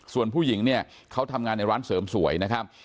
ส่วนผู้หญิงเนี่ยเขาทำงานในร้านเสริมสวยนะครับ